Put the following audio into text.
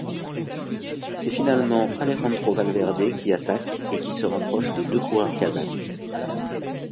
C'est finalement Alejandro Valverde qui attaque et qui se rapproche des deux coureurs kazakhs.